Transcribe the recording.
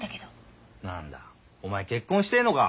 何だお前結婚してえのか。